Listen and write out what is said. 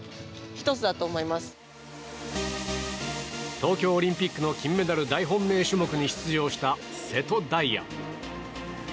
東京オリンピックの金メダル大本命種目に出場した瀬戸大也。